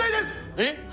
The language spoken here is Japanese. えっ？